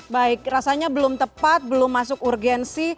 baik rasanya belum tepat belum masuk urgensi